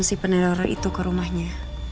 si penerior itu ke rumahnya